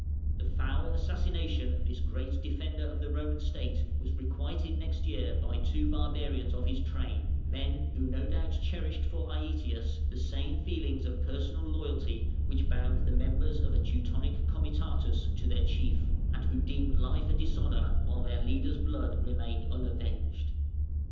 The foul assassination of this great defender of the Roman State was requited next year by two barbarians of his train, men who no doubt cherished for Aëtius the same feelings of personal loyalty which bound the members of a Teutonic "Comitatus" to their chief, and who deemed life a dishonour while their leader's blood remained unavenged.